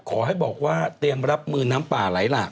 ขอให้บอกว่าเตรียมรับมือน้ำป่าไหลหลาก